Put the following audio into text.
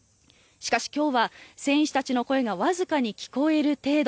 しかし、今日は選手たちの声がわずかに聞こえる程度。